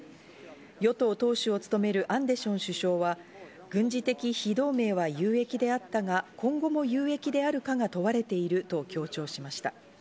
与党党首を務めるアンデション首相は軍事的非同盟は有益であったが、今後も有益であるかが問われていると強調しました。